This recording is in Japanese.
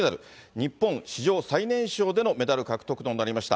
日本史上最年少でのメダル獲得となりました。